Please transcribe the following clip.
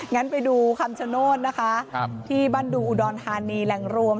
งั้นไปดูคำชโนธนะคะที่บ้านดูอุดรธานีแหล่งรวม